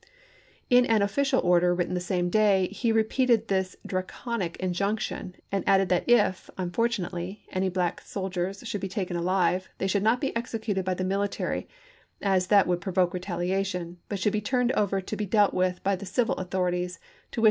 In an official order, ^sek ' written the same day, he repeated this Draconic injunction, and added that if, unfortunately, any black soldiers should be taken alive, they should not be executed by the military, as that would provoke retaliation, but should be turned over to canby's be dealt with by the civil authorities, to which P.